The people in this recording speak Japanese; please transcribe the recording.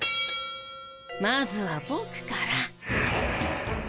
まずはボクから。